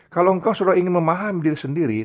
kalau engkau sudah ingin memahami diri sendiri